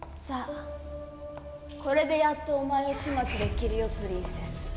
さあこれでやっとお前を始末できるよプリンセス。